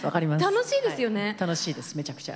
楽しいですめちゃくちゃ。